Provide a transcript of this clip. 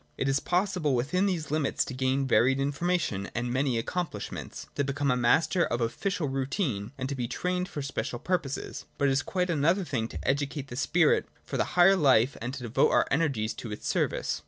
It is possible within these limits to gain varied information and many accomplishments, to become a master of official routine, and to be trained for special purposes. But it is quite another thing to educate the spirit for the higher life and to devote our energies to its service.